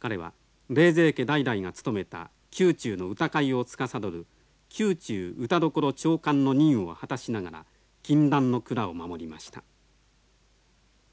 彼は冷泉家代々が務めた宮中の歌会をつかさどる宮中歌所長官の任を果たしながら禁断の蔵を守りました。